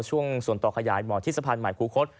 ช่วงส่วนต่อขยายหมอธิสภัณฑ์หมายคุ้คศ